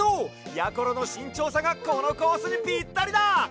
やころのしんちょうさがこのコースにピッタリだ！